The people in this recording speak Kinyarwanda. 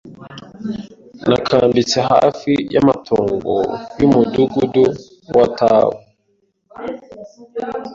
Nakambitse hafi y’amatongo y’umudugudu watawe.